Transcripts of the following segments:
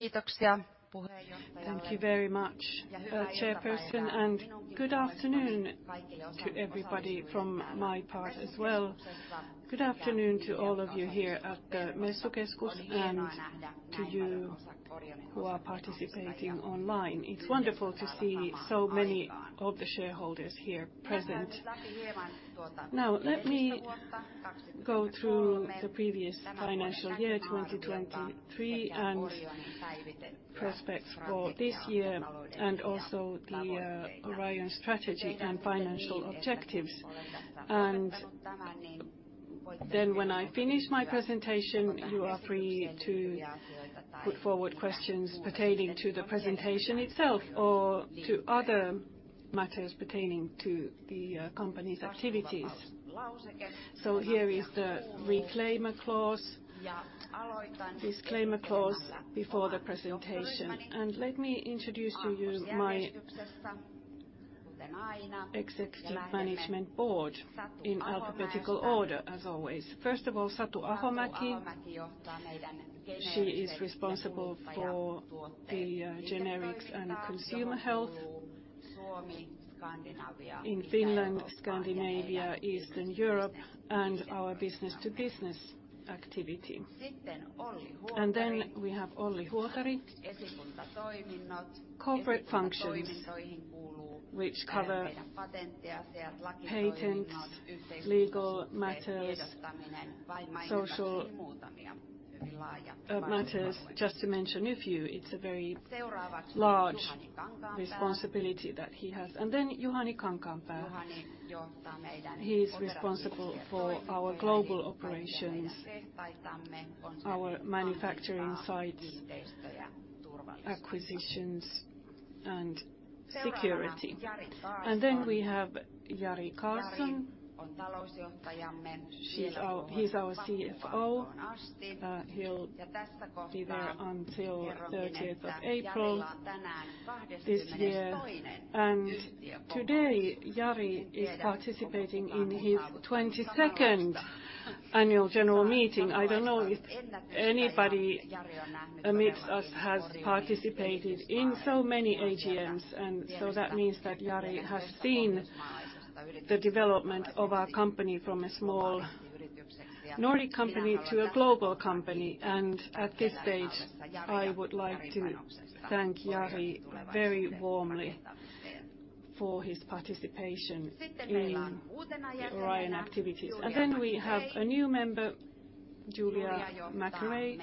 Kiitoksia puheenjohtaja. Thank you very much, Chairperson, and good afternoon to everybody from my part as well. Good afternoon to all of you here at the Messukeskus and to you who are participating online. It's wonderful to see so many of the shareholders here present. Now, let me go through the previous financial year, 2023, and prospects for this year and also the Orion strategy and financial objectives. Then when I finish my presentation, you are free to put forward questions pertaining to the presentation itself or to other matters pertaining to the company's activities. So here is the disclaimer clause before the presentation. Let me introduce to you my executive management board in alphabetical order, as always. First of all, Satu Ahomäki. She is responsible for the generics and consumer health in Finland, Scandinavia, Eastern Europe, and our business-to-business activity. Then we have Olli Huotari. Corporate functions which cover patents, asiat, lakitoiminnot, yhteiskunnalliset legal matters, social ja muutamia hyvin laajat matters, just to mention a few. It's a very large responsibility that he has. And then Juhani Kankaanpää. He's responsible for our global operations, our manufacturing sites, acquisitions, and security. And then we have Jari Karlson. He's our CFO, he'll be there until 30th of April this year. And today Jari is participating in his 22nd annual general meeting. I don't know if anybody amidst us has participated in so many AGMs, and so that means that Jari has seen the development of our company from a small Nordic company to a global company. And at this stage, I would like to thank Jari very warmly for his participation in Orion activities. And then we have a new member, Julia Macharey.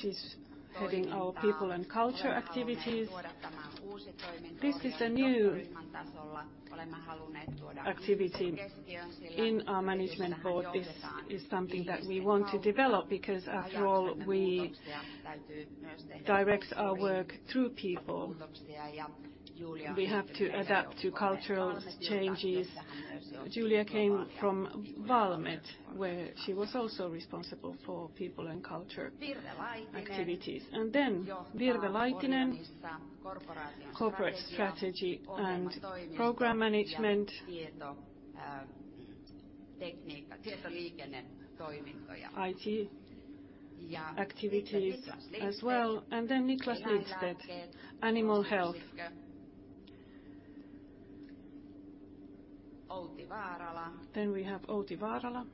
She's heading our people and culture activities. This is a new activity in our management board. This is something that we want to develop because, after all, we direct our work through people. We have to adapt to cultural changes. Julia came from Valmet, where she was also responsible for people and culture activities. And then Virve Laitinen, corporate strategy and program management, IT activities as well. And then Niklas Lindstedt, animal health. Then we have Outi Vaarala.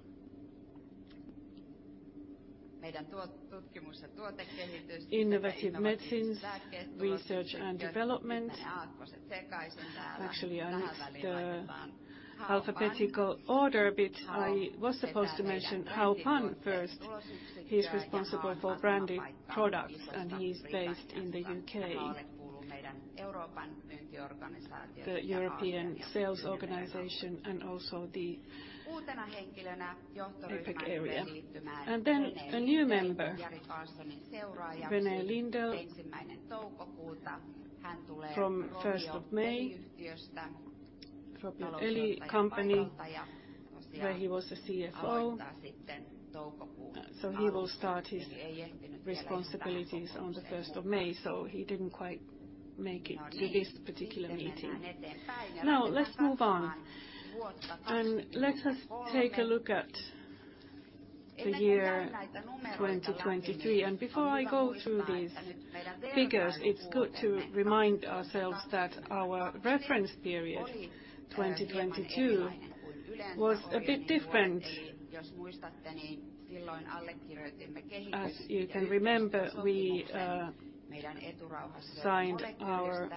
Meidän tutkimus ja tuotekehitys, innovative medicines, research and development. Actually, I misspoke the alphabetical order, but I was supposed to mention Hao Pan first. He's responsible for branded products, and he's based in the UK. The European Sales Organization and also the APAC area. And then a new member, René Lindell, hän tulee Rovio-yhtiöstä. Rovio company, where he was a CFO, so he will start his responsibilities on the 1st of May, so he didn't quite make it to this particular meeting. Now let's move on, and let us take a look at the year 2023. And before I go through these figures, it's good to remind ourselves that our reference period, 2022, was a bit different. As you can remember, we signed our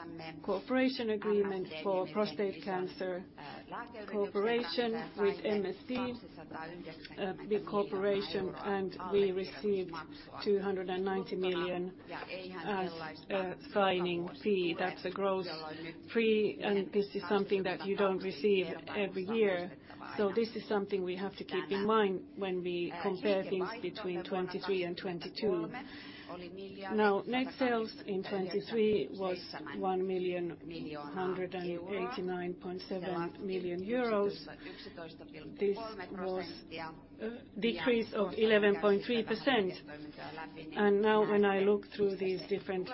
cooperation agreement for prostate cancer cooperation with MSD, a big corporation, and we received 290 million as a signing fee. That's a gross fee, and this is something that you don't receive every year. So this is something we have to keep in mind when we compare things between 2023 and 2022. Now, net sales in 2023 was 1,189.7 million. This was a decrease of 11.3%. Now when I look through these different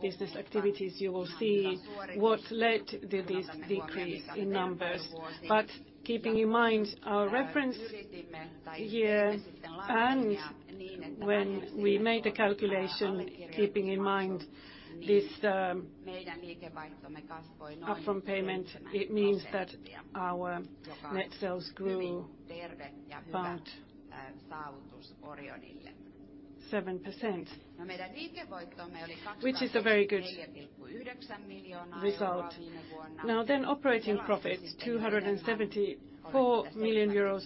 business activities, you will see what led to this decrease in numbers. Keeping in mind our reference year and when we made the calculation, keeping in mind this upfront payment, it means that our net sales grew 7%, which is a very good result. Now then operating profit, 274 million euros,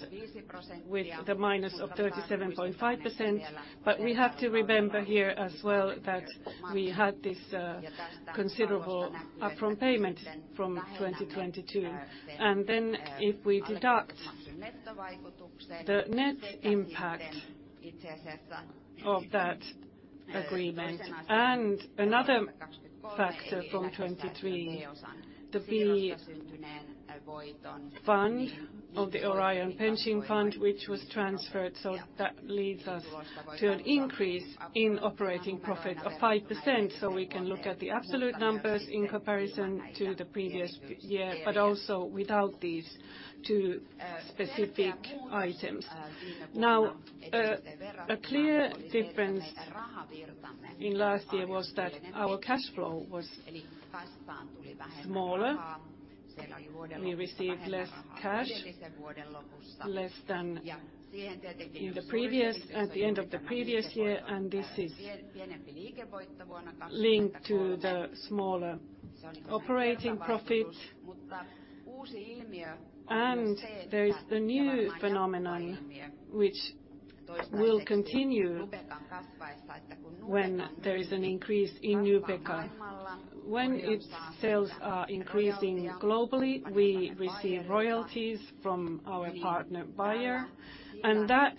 with the minus of 37.5%. We have to remember here as well that we had this considerable upfront payment from 2022. Then if we deduct the net impact of that agreement and another factor from 2023, the fund of the Orion Pension Fund, which was transferred, so that leads us to an increase in operating profit of 5%. So we can look at the absolute numbers in comparison to the previous year, but also without these two specific items. Now, a clear difference in last year was that our cash flow was smaller. We received less cash than at the end of the previous year, and this is linked to the smaller operating profit. And there is the new phenomenon which will continue when there is an increase in Nubeqa. When its sales are increasing globally, we receive royalties from our partner Bayer, and that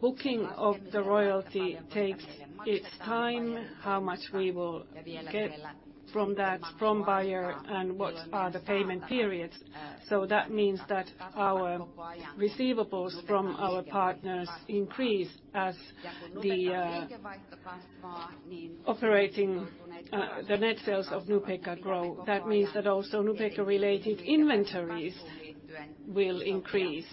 booking of the royalty takes its time, how much we will get from that from Bayer, and what are the payment periods. So that means that our receivables from our partners increase as the net sales of Nubeqa grow. That means that also Nubeqa-related inventories will increase.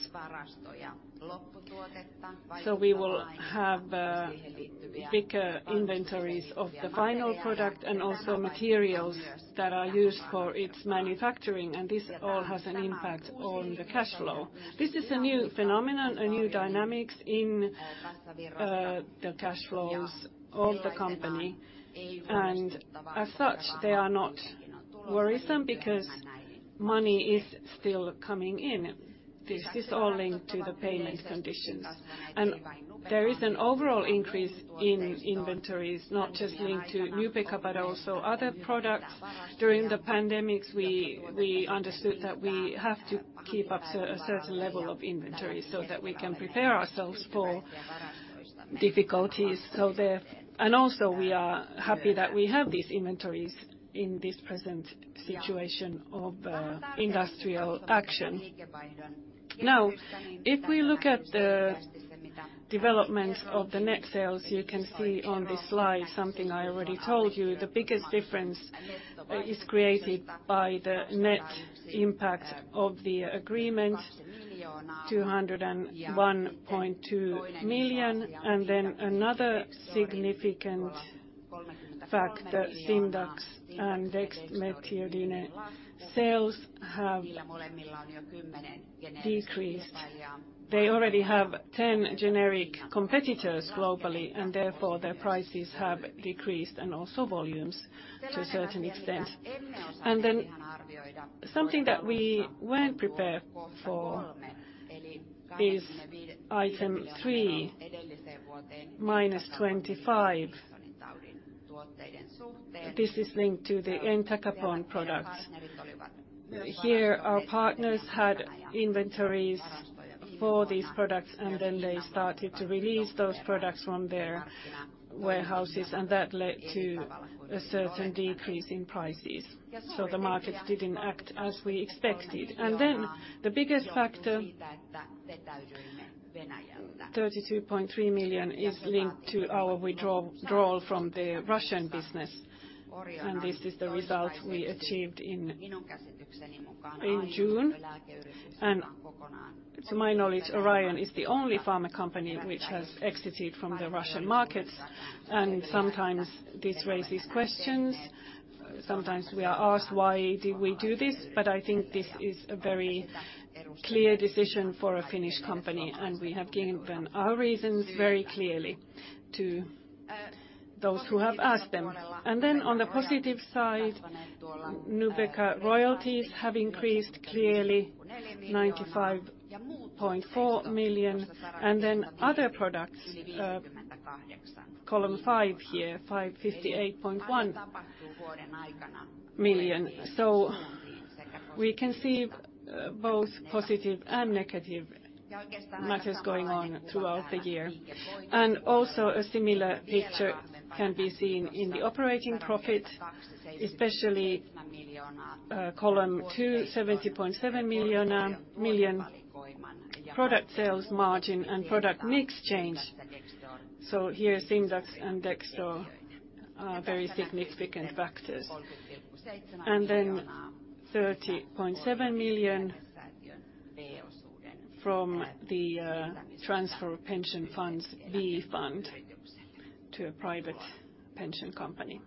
So we will have bigger inventories of the final product and also materials that are used for its manufacturing, and this all has an impact on the cash flow. This is a new phenomenon, a new dynamics in the cash flows of the company, and as such, they are not worrisome because money is still coming in. This is all linked to the payment conditions. And there is an overall increase in inventories, not just linked to Nubeqa, but also other products. During the pandemic, we understood that we have to keep up a certain level of inventory so that we can prepare ourselves for difficulties. And also, we are happy that we have these inventories in this present situation of industrial action. Now, if we look at the development of the net sales, you can see on this slide something I already told you. The biggest difference is created by the net impact of the agreement, 201.2 million, and then another significant factor, Simdax and dexmedetomidine sales, have decreased. They already have 10 generic competitors globally, and therefore their prices have decreased and also volumes to a certain extent. And then something that we weren't prepared for is item 3, minus 25 million. This is linked to the entacapone products. Here, our partners had inventories for these products, and then they started to release those products from their warehouses, and that led to a certain decrease in prices. So the markets didn't act as we expected. And then the biggest factor, 32.3 million, is linked to our withdrawal from the Russian business, and this is the result we achieved in June. And to my knowledge, Orion is the only pharma company which has exited from the Russian markets, and sometimes this raises questions. Sometimes we are asked, "Why did we do this?" But I think this is a very clear decision for a Finnish company, and we have given our reasons very clearly to those who have asked them. And then on the positive side, Nubeqa royalties have increased clearly, 95.4 million, and then other products, column 5 here, 58.1 million. So we can see both positive and negative matters going on throughout the year. And also, a similar picture can be seen in the operating profit, especially column 2, 70.7 million product sales margin and product mix change. So here, Simdax and Dexdor are very significant factors. And then 30.7 million from the transfer pension funds, B fund, to a private pension company.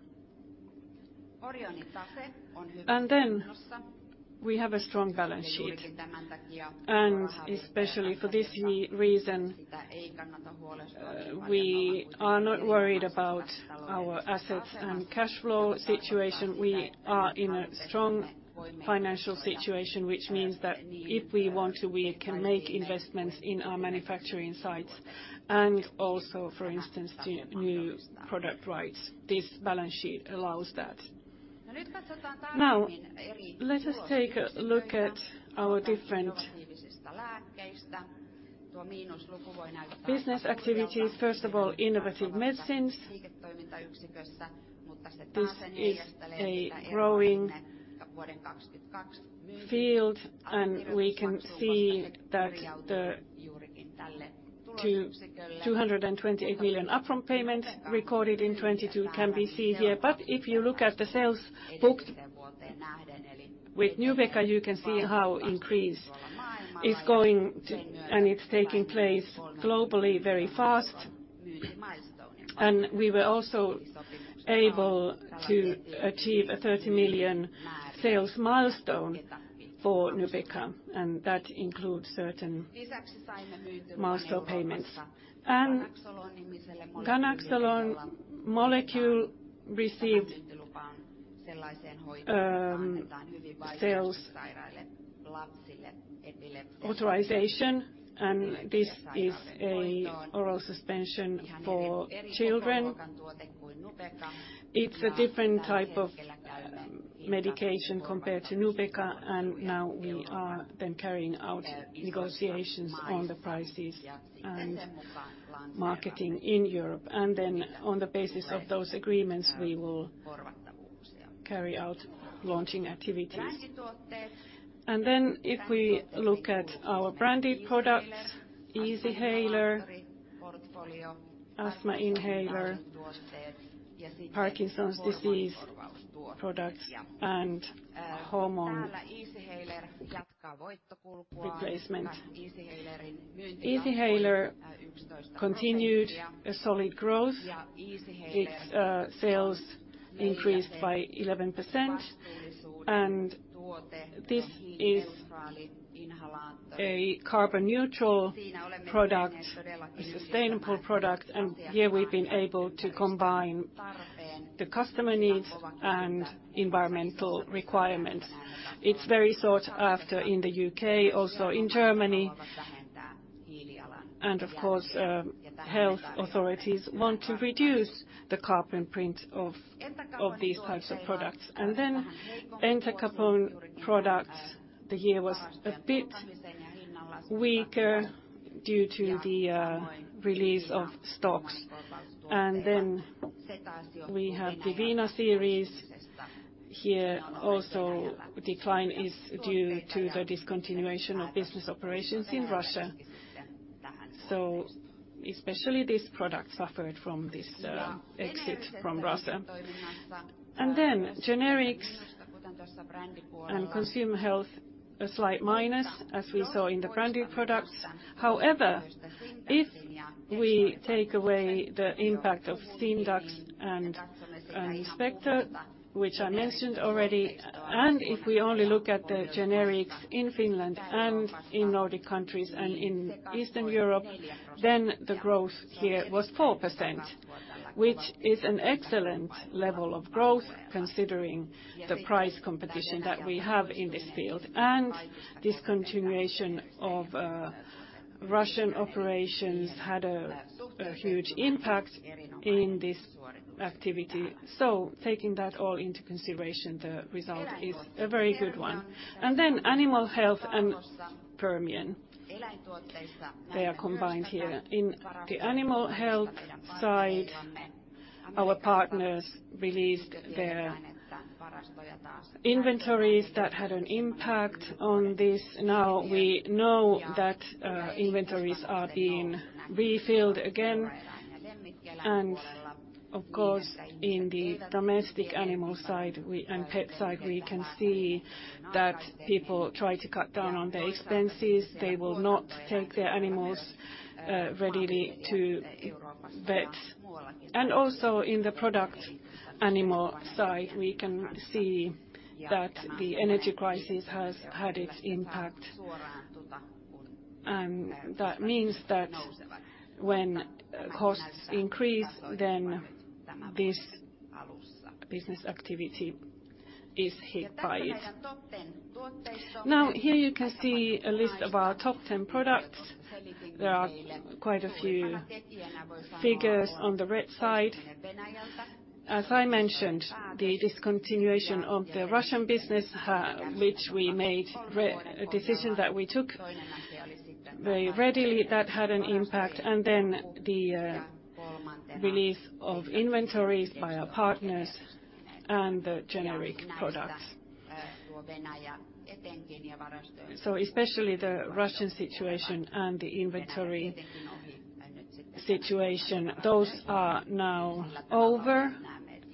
And then we have a strong balance sheet, and especially for this reason, we are not worried about our assets and cash flow situation. We are in a strong financial situation, which means that if we want to, we can make investments in our manufacturing sites and also, for instance, new product rights. This balance sheet allows that. Now let us take a look at our different business activities, first of all, Innovative Medicines. This is a growing field in 2022, and we can see that the 228 million upfront payment recorded in 2022 can be seen here. But if you look at the sales booked with Nubeqa, you can see how the increase is going, and it's taking place globally very fast. And we were also able to achieve a 30 million sales milestone for Nubeqa, and that includes certain milestone payments. And ganaxolone molecule received authorization for the treatment of very severe ill children, and this is an oral suspension for children. It's a different type of medication compared to Nubeqa, and now we are then carrying out negotiations on the prices and marketing in Europe. And then on the basis of those agreements, we will carry out launching activities. And then if we look at our branded products, Easyhaler, asthma inhaler, Parkinson's disease products, and hormone Easyhaler jatkaa voittokulkua Easyhaler continued a solid growth. Its sales increased by 11%, and this is a carbon neutral product, a sustainable product, and here we've been able to combine the customer needs and environmental requirements. It's very sought after in the UK, also in Germany, and of course, health authorities want to reduce the carbon footprint of these types of products. And then entacapone products, the year was a bit weaker due to the release of stocks. And then we have Divina series. Here, also, decline is due to the discontinuation of business operations in Russia. So especially this product suffered from this exit from Russia. And then generics and consumer health, a slight minus as we saw in the branded products. However, if we take away the impact of Simdax and Dexdor, which I mentioned already, and if we only look at the generics in Finland and in Nordic countries and in Eastern Europe, then the growth here was 4%, which is an excellent level of growth considering the price competition that we have in this field. And discontinuation of Russian operations had a huge impact in this activity. So taking that all into consideration, the result is a very good one. And then animal health and other. They are combined here. In the animal health side, our partners released their inventories that had an impact on this. Now we know that inventories are being refilled again. Of course, in the domestic animal side and pet side, we can see that people try to cut down on their expenses. They will not take their animals readily to vets. Also in the production animal side, we can see that the energy crisis has had its impact. That means that when costs increase, then this business activity is hit by it. Now here you can see a list of our top 10 products. There are quite a few figures on the red side. As I mentioned, the discontinuation of the Russian business, which we made a decision that we took very readily, that had an impact. Then the release of inventories by our partners and the generic products. Especially the Russian situation and the inventory situation, those are now over.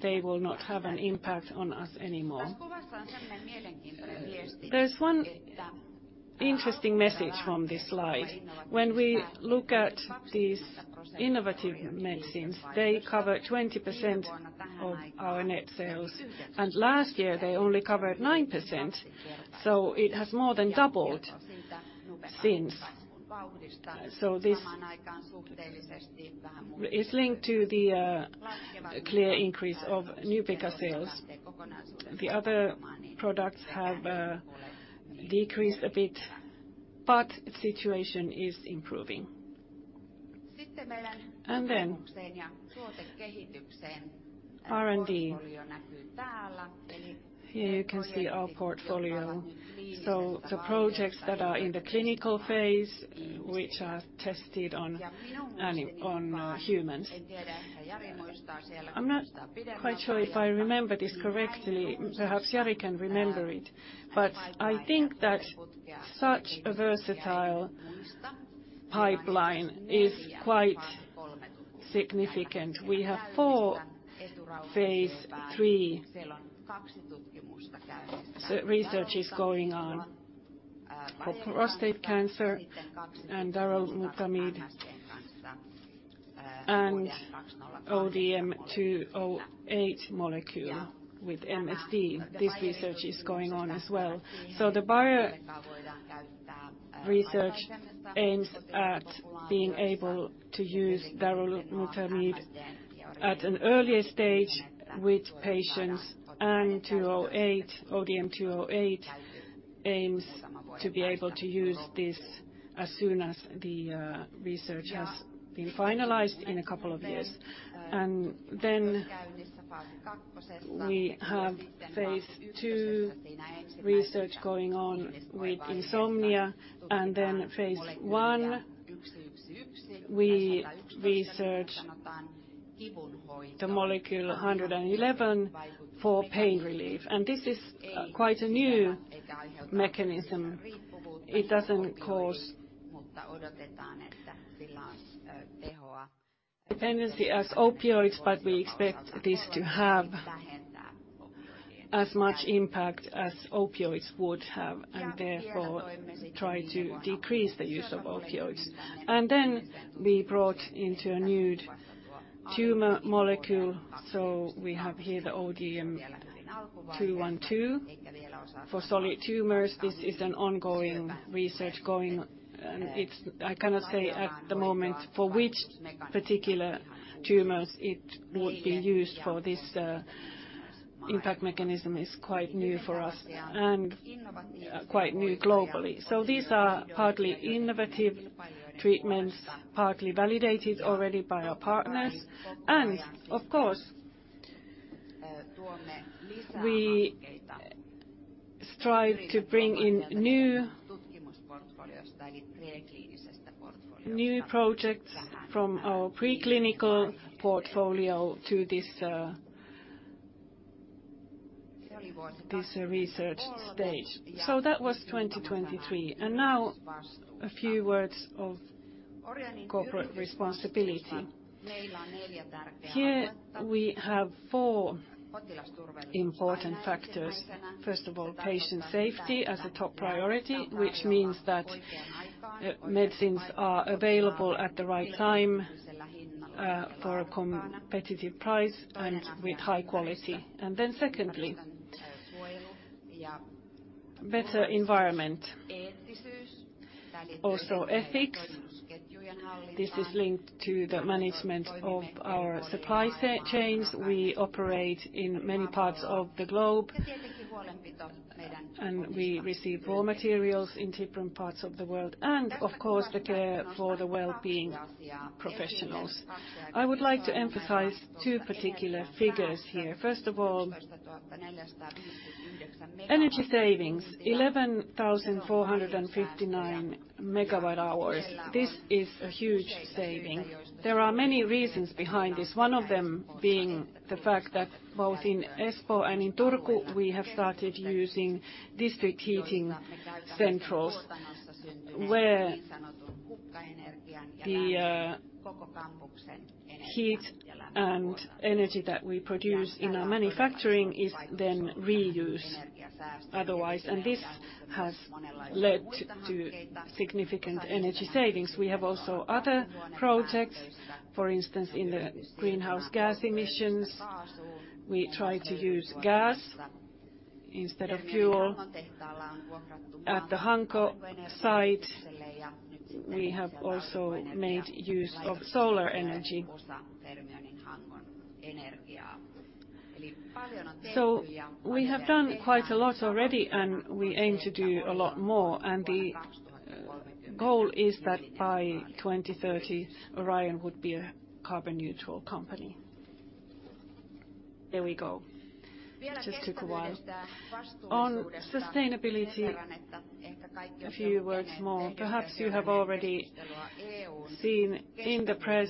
They will not have an impact on us anymore. There's one interesting message from this slide. When we look at these innovative medicines, they cover 20% of our net sales, and last year they only covered 9%. So it has more than doubled since. So this is linked to the clear increase of Nubeqa sales. The other products have decreased a bit, but the situation is improving. And then R&D portfolio näkyy täällä. Here you can see our portfolio. So the projects that are in the clinical phase, which are tested on humans. Quite sure. If I remember this correctly, perhaps Jari can remember it. But I think that such a versatile pipeline is quite significant. We have four phase three researches going on for prostate cancer, and darolutamide and ODM-208 molecule with MSD. This research is going on as well. So the Bayer aims at being able to use darolutamide at an earlier stage with patients, and ODM-208 aims to be able to use this as soon as the research has been finalized in a couple of years. Then we have phase two research going on with insomnia, and then phase one we research the molecule ODM-111 for pain relief. And this is quite a new mechanism. It doesn't cause dependency as opioids, but we expect this to have as much impact as opioids would have, and therefore try to decrease the use of opioids. Then we brought into a new tumor molecule, so we have here the ODM-212 for solid tumors. This is an ongoing research going, and I cannot say at the moment for which particular tumors it would be used for. This impact mechanism is quite new for us and quite new globally. So these are partly innovative treatments, partly validated already by our partners. And of course, we strive to bring in new projects from our preclinical portfolio to this research stage. So that was 2023. And now a few words of corporate responsibility. Here we have four important factors. First of all, patient safety as a top priority, which means that medicines are available at the right time for a competitive price and with high quality. And then secondly, better environment. Also ethics. This is linked to the management of our supply chains. We operate in many parts of the globe, and we receive raw materials in different parts of the world. And of course, the care for the well-being professionals. I would like to emphasize two particular figures here. First of all, energy savings: 11,459 MWh. This is a huge saving. There are many reasons behind this, one of them being the fact that both in Espoo and in Turku we have started using district heating centrals, where the koko kampuksen heat and energy that we produce in our manufacturing is then reused otherwise. And this has led to significant energy savings. We have also other projects. For instance, in the greenhouse gas emissions, we try to use gas instead of fuel. At the Hanko site, we have also made use of solar energy. So we have done quite a lot already, and we aim to do a lot more. And the goal is that by 2030, Orion would be a carbon-neutral company. There we go. It just took a while. On sustainability. A few words more. Perhaps you have already seen in the press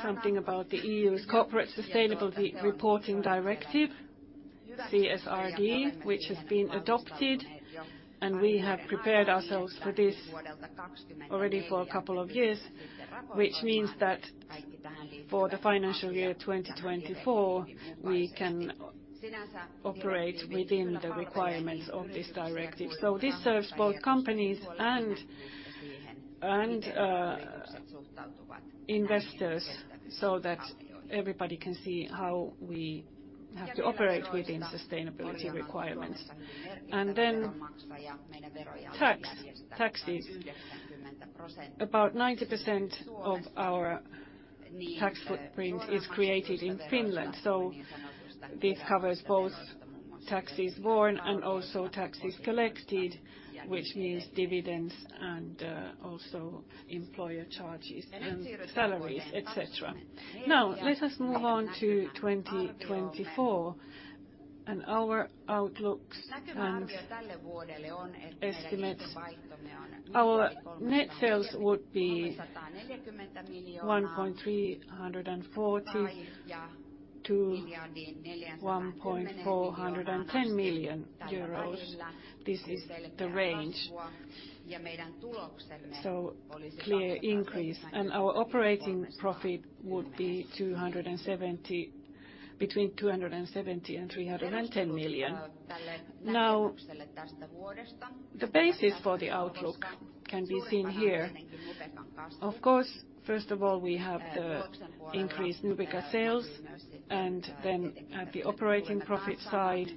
something about the EU's Corporate Sustainability Reporting Directive, CSRD, which has been adopted. And we have prepared ourselves for this already for a couple of years, which means that for the financial year 2024, we can operate within the requirements of this directive. So this serves both companies and investors so that everybody can see how we have to operate within sustainability requirements. And then taxes. About 90% of our tax footprint is created in Finland. So this covers both taxes borne and also taxes collected, which means dividends and also employer charges and salaries, etc. Now let us move on to 2024 and our outlooks and estimates. Our net sales would be 1,340 million-1,410 million. This is the range. So our operating profit would be between 270 million and 310 million now. The basis for the outlook can be seen here. Of course, first of all, we have the increased Nubeqa sales. Then at the operating profit side,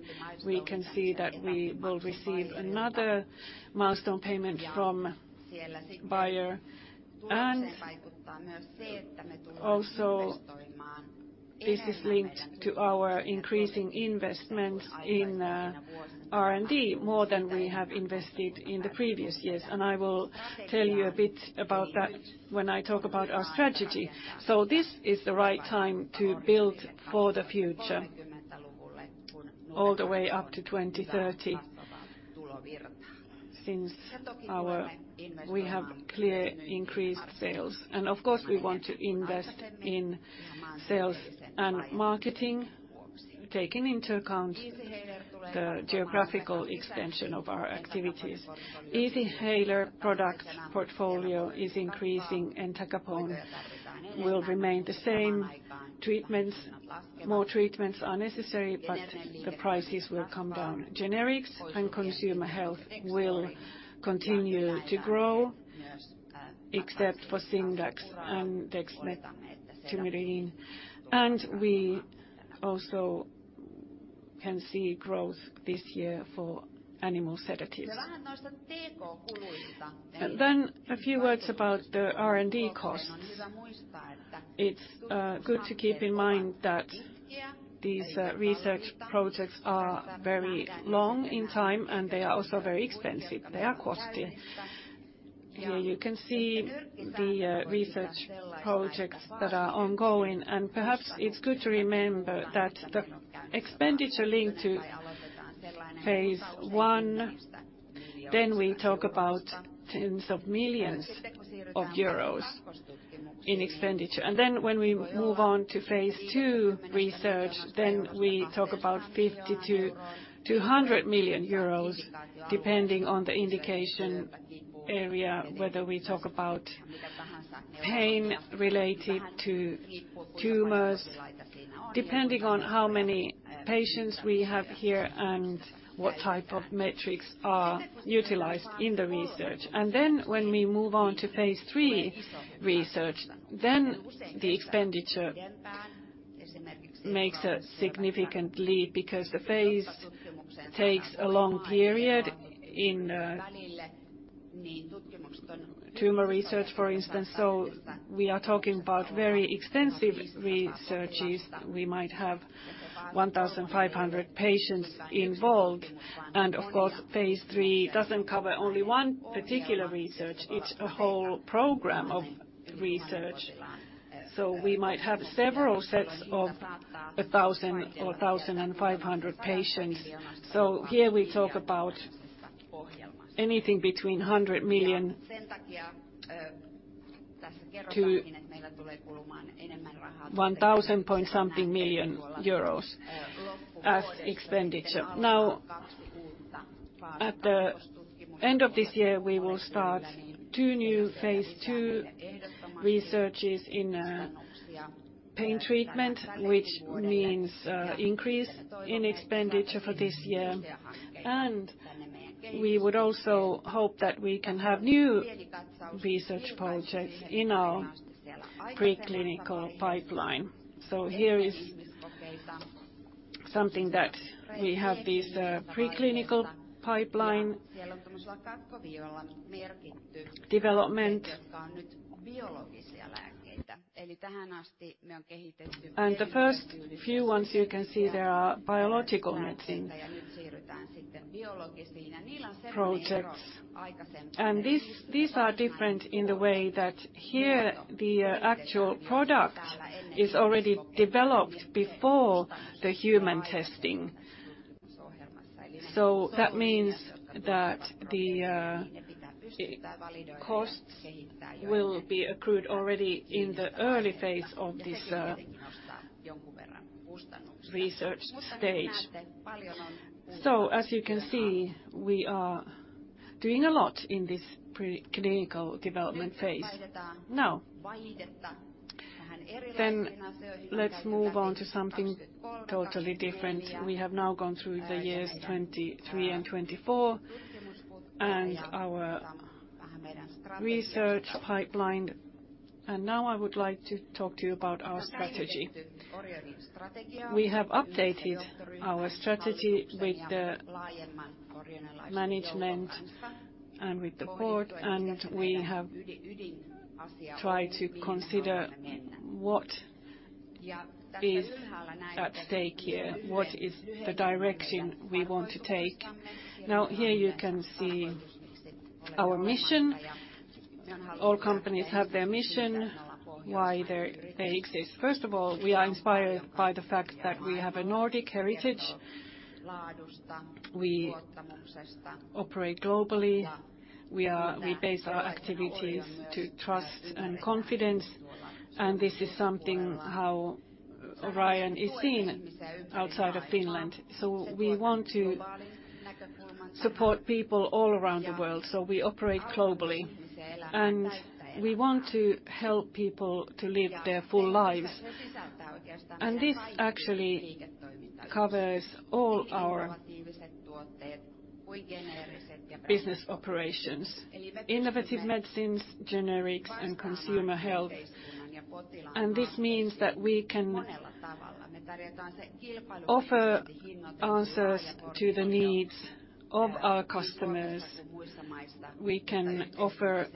we can see that we will receive another milestone payment from Bayer. Also this is linked to our increasing investments in R&D more than we have invested in the previous years. I will tell you a bit about that when I talk about our strategy. This is the right time to build for the future, all the way up to 2030 since we have clear increased sales. Of course, we want to invest in sales and marketing, taking into account the geographical extension of our activities. Easyhaler product portfolio is increasing. Entacapone will remain the same. More treatments are necessary, but the prices will come down. Generics and consumer health will continue to grow, except for Simdax and dexmedetomidine. We also can see growth this year for animal sedatives. A few words about the R&D costs. It's good to keep in mind that these research projects are very long in time, and they are also very expensive. They are costly. Here you can see the research projects that are ongoing. Perhaps it's good to remember that the expenditure linked to phase one, then we talk about tens of millions of EUR in expenditure. When we move on to phase two research, then we talk about 50 million-200 million euros, depending on the indication area, whether we talk about pain related to tumors, depending on how many patients we have here and what type of metrics are utilized in the research. When we move on to phase three research, then the expenditure makes a significant leap because the phase takes a long period in tumor research, for instance. We are talking about very extensive researches. We might have 1,500 patients involved. Of course, phase three doesn't cover only one particular research. It's a whole program of research. We might have several sets of 1,000 or 1,500 patients. Here we talk about anything between 100 million and 1,000 point something million as expenditure. Now at the end of this year, we will start to new phase two researches in pain treatment, which means increase in expenditure for this year. We would also hope that we can have new research projects in our preclinical pipeline. Here is something that we have, this preclinical pipeline development. Jotka on nyt biologisia lääkkeitä. Eli tähän asti me on kehitetty. And the first few ones you can see, there are biological medicines. Ja nyt siirrytään sitten biologisiin. Ja niillä on semmoinen ero aikaisempiin. And these are different in the way that here the actual product is already developed before the human testing. So that means that the cost will be accrued already in the early phase of this research stage. So as you can see, we are doing a lot in this preclinical development phase. Now sitten let's move on to something totally different. We have now gone through the years 2023 and 2024 and our research pipeline. And now I would like to talk to you about our strategy. We have updated our strategy with the management and with the board, and we have tried to consider what is at stake here, what is the direction we want to take. Now here you can see our mission. All companies have their mission, why they exist. First of all, we are inspired by the fact that we have a Nordic heritage. We operate globally. We base our activities to trust and confidence. And this is something how Orion is seen outside of Finland. So we want to support people all around the world. So we operate globally. And we want to help people to live their full lives. And this actually covers all our business operations: innovative medicines, generics, and consumer health. And this means that we can offer answers to the needs of our customers. We can offer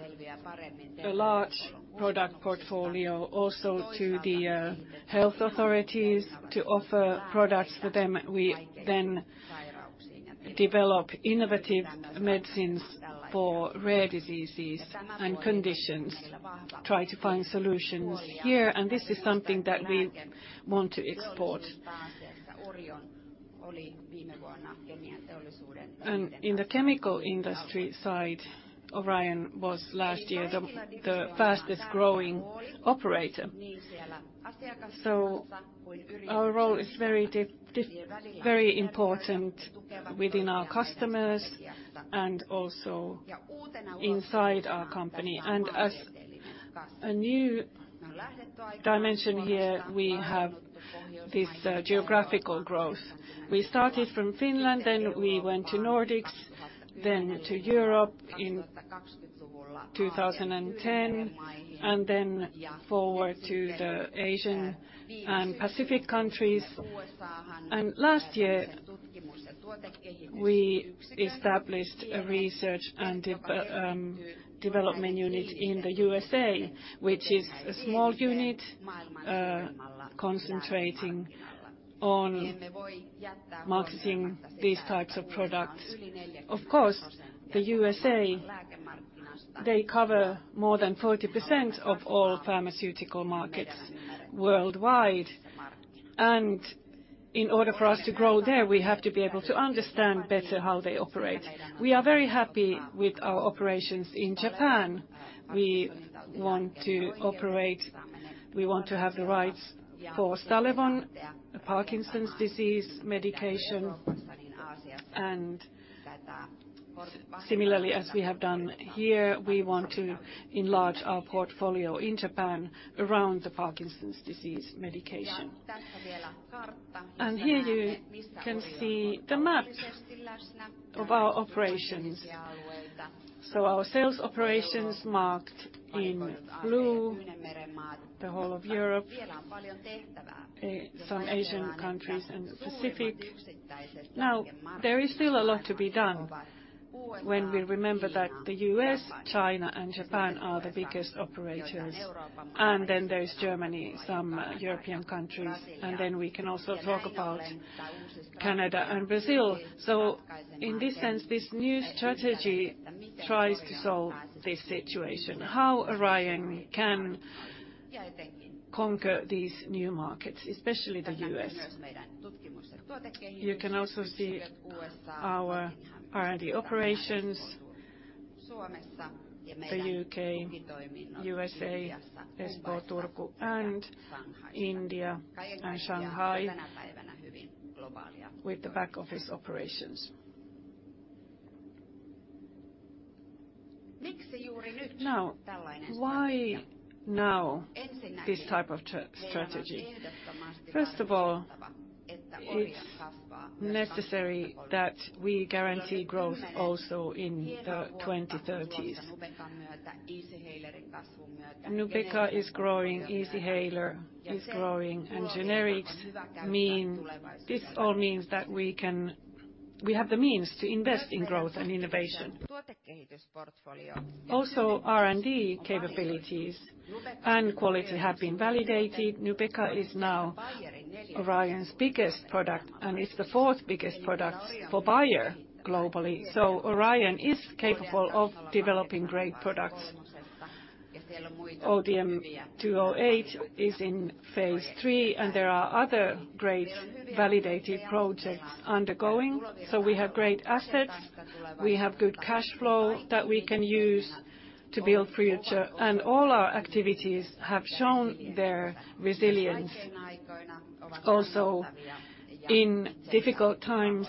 a large product portfolio also to the health authorities to offer products for them. We then develop innovative medicines for rare diseases and conditions, try to find solutions here. And this is something that we want to export. In the chemical industry side, Orion was last year the fastest growing operator. Our role is very important within our customers and also inside our company. As a new dimension here, we have this geographical growth. We started from Finland, then we went to Nordics, then to Europe in 2010, and then forward to the Asian and Pacific countries. Last year, we established a research and development unit in the U.S.A.., which is a small unit concentrating on marketing these types of products. Of course, the U.S.A., they cover more than 40% of all pharmaceutical markets worldwide. In order for us to grow there, we have to be able to understand better how they operate. We are very happy with our operations in Japan. We want to operate. We want to have the rights for Stalevo, Parkinson's disease medication. Similarly, as we have done here, we want to enlarge our portfolio in Japan around the Parkinson's disease medication. Here you can see the map of our operations. So our sales operations marked in blue, the whole of Europe. Some Asian countries and Pacific. Now there is still a lot to be done when we remember that the U.S., China, and Japan are the biggest operators. Then there is Germany, some European countries. Then we can also talk about Canada and Brazil. So in this sense, this new strategy tries to solve this situation: how Orion can conquer these new markets, especially the U.S. You can also see our R&D operations: the U.K., U.S., Espoo, Turku, and India, and Shanghai. With the back office operations. Miksi juuri nyt tällainen strategia? Why now this type of strategy? First of all, necessary that we guarantee growth also in the 2030s. Nubeqa myötä, Easyhalerin kasvun myötä. Nubeqa is growing, Easyhaler is growing, and generics mean this all means that we have the means to invest in growth and innovation. Tuotekehitys portfolio. Also R&D capabilities and quality have been validated. Nubeqa is now Orion's biggest product, and it's the fourth biggest product for Bayer globally. So Orion is capable of developing great products. ODM-208 is in phase three, and there are other great validated projects undergoing. So we have great assets. We have good cash flow that we can use to build future. And all our activities have shown their resilience also in difficult times,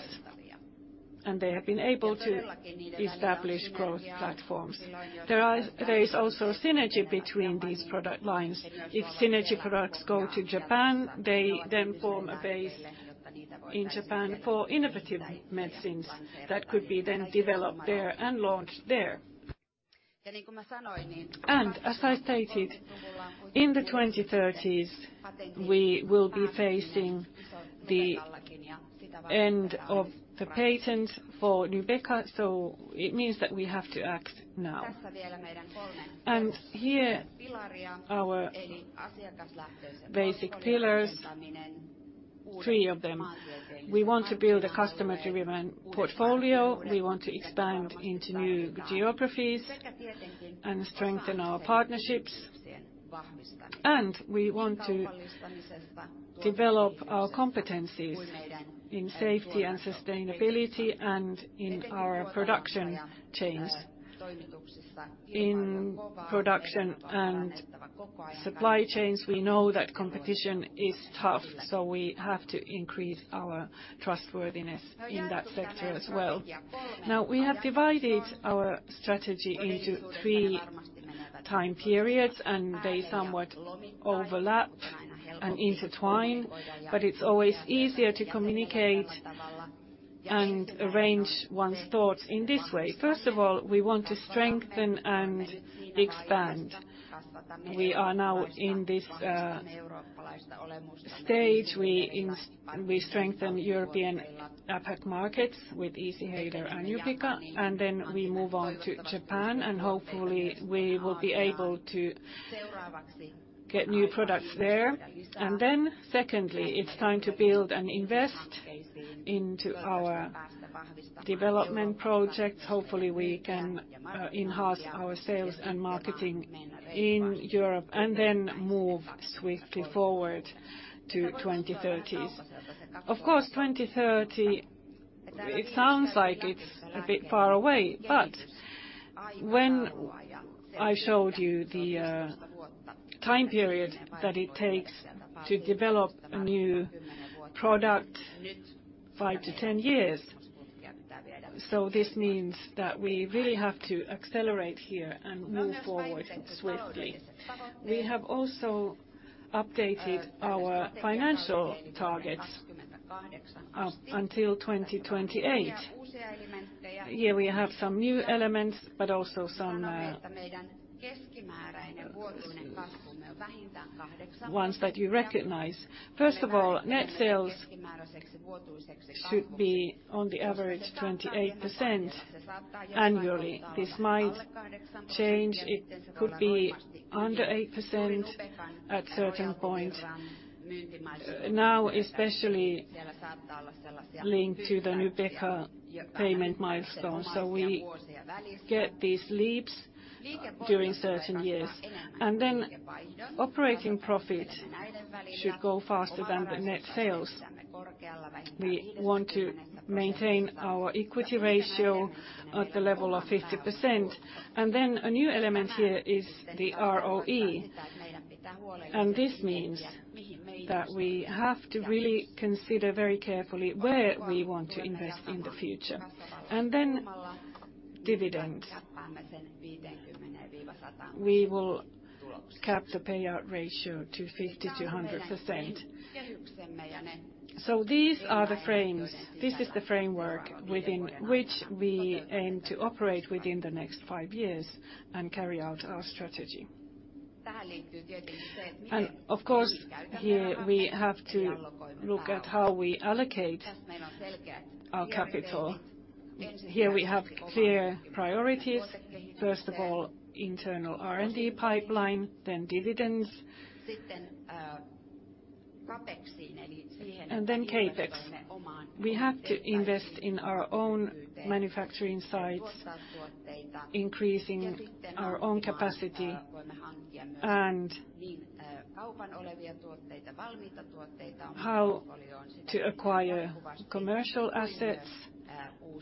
and they have been able to establish growth platforms. There is also synergy between these product lines. If synergy products go to Japan, they then form a base in Japan for innovative medicines that could be then developed there and launched there. As I stated, in the 2030s, we will be facing the end of the patent for Nubeqa. It means that we have to act now. Here our basic pillars: three of them. We want to build a customer-driven portfolio. We want to expand into new geographies and strengthen our partnerships. And we want to develop our competencies in safety and sustainability and in our production chains. In production and supply chains, we know that competition is tough. We have to increase our trustworthiness in that sector as well. Now we have divided our strategy into three time periods, and they somewhat overlap and intertwine. It's always easier to communicate and arrange one's thoughts in this way. First of all, we want to strengthen and expand. We are now in this stage. We strengthen European APAC markets with Easyhaler and Nubeqa. And then we move on to Japan, and hopefully we will be able to get new products there. And then secondly, it's time to build and invest into our development projects. Hopefully we can enhance our sales and marketing in Europe and then move swiftly forward to the 2030s. Of course, 2030, it sounds like it's a bit far away. But when I showed you the time period that it takes to develop a new product, 5-10 years. So this means that we really have to accelerate here and move forward swiftly. We have also updated our financial targets up until 2028. Here we have some new elements, but also some ones that you recognize. First of all, net sales should be on the average 28% annually. This might change. It could be under 8% at certain points. Now, especially linked to the Nubeqa payment milestone. So we get these leaps during certain years. And then operating profit should go faster than the net sales. We want to maintain our equity ratio at the level of 50%. And then a new element here is the ROE. And this means that we have to really consider very carefully where we want to invest in the future. And then dividends. We will cap the payout ratio to 50%-100%. So these are the frames. This is the framework within which we aim to operate within the next five years and carry out our strategy. And of course, here we have to look at how we allocate our capital. Here we have clear priorities. First of all, internal R&D pipeline, then dividends. And then CapEx. We have to invest in our own manufacturing sites, increasing our own capacity. And how to acquire commercial assets,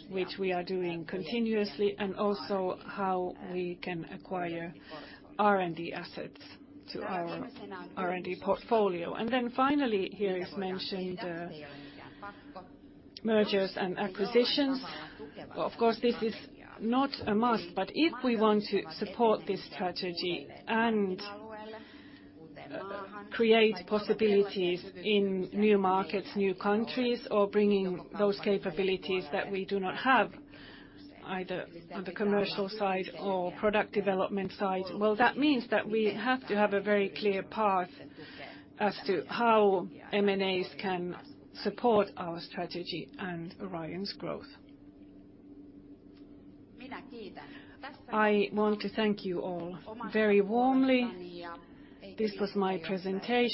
which we are doing continuously, and also how we can acquire R&D assets to our R&D portfolio. And then finally, here is mentioned mergers and acquisitions. Of course, this is not a must, but if we want to support this strategy and create possibilities in new markets, new countries, or bringing those capabilities that we do not have either on the commercial side or product development side, well, that means that we have to have a very clear path as to how M&As can support our strategy and Orion's growth. I want to thank you all very warmly. This was my presentation.